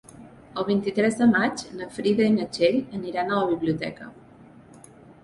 El vint-i-tres de maig na Frida i na Txell aniran a la biblioteca.